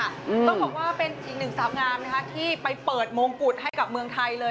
ต้องบอกว่าเป็นอีกหนึ่งสาวงามนะคะที่ไปเปิดมงกุฎให้กับเมืองไทยเลย